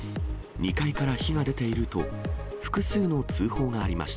２階から火が出ていると、複数の通報がありました。